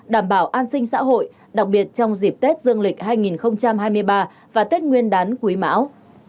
đảm bảo an sinh xã hội đặc biệt trong dịp tết dương lịch hai nghìn hai mươi ba và tết nguyên đán quý mão